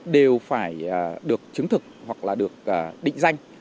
đều phải được chứng thực hoặc là được định danh